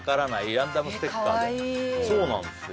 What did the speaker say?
ランダムステッカーでえっかわいいそうなんですよ